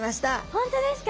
本当ですか。